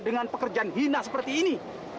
dengan pekerjaan hina seperti ini